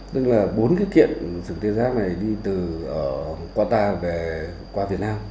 tức là bốn kiện sừng tê giác này đi từ qua ta về qua việt nam